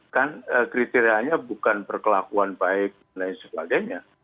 kan kriterianya bukan perkelakuan baik dan lain sebagainya